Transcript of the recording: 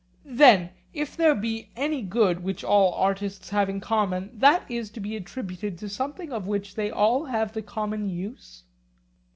Then, if there be any good which all artists have in common, that is to be attributed to something of which they all have the common use?